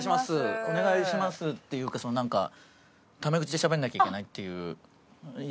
お願いしますっていうかなんかため口でしゃべらなきゃいけないっていうやつなんで。